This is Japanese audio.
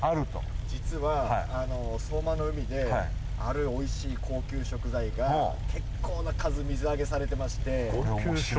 実はあの相馬の海であるおいしい高級食材が結構な数水揚げされてまして高級食材？